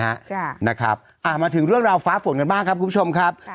จ้ะนะครับอ่ามาถึงเรื่องราวฟ้าฝนกันบ้างครับคุณผู้ชมครับค่ะ